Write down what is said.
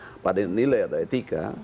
jauh kita berdasarkan pada nilai atau etika